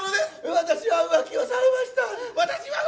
私は浮気をされました。